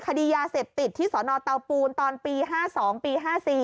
คดียาเสพติดที่สนเตาปูนตอนปี๕๒ปี๕๔